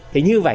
như vậy chúng ta